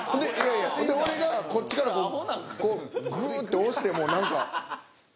ほんで俺がこっちからこうぐって押しても何か。